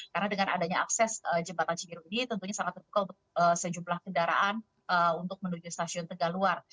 karena dengan adanya akses jembatan cibiru ini tentunya sangat terpukau sejumlah kendaraan untuk menuju stasiun tegal luar